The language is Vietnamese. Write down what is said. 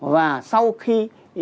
và sau khi